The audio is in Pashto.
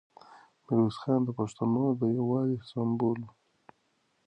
میرویس خان د پښتنو د یووالي سمبول و.